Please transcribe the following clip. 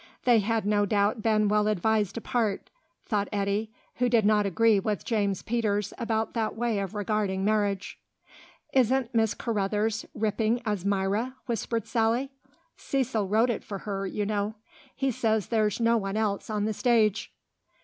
They had no doubt been well advised to part, thought Eddy, who did not agree with James Peters about that way of regarding marriage. "Isn't Miss Carruthers ripping as Myra," whispered Sally. "Cecil wrote it for her, you know. He says there's no one else on the stage."